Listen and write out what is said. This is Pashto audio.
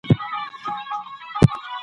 د دولت رسمي جوړښت پېژندل د سیاست کار دی.